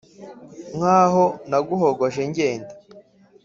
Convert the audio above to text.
nk ' aho naguhogoje ngenda